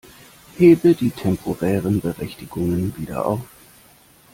Hebe die temporären Berechtigungen wieder auf.